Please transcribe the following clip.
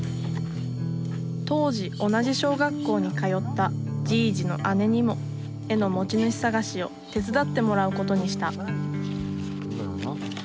当時同じ小学校に通ったじいじの姉にも絵の持ち主捜しを手伝ってもらうことにした